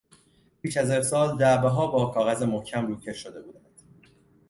پیش از ارسال، جعبهها با کاغذ محکم روکش شده بودند.